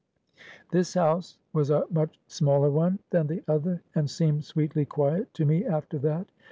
"This house was a much smaller one than the other, and seemed sweetly quiet to me after that.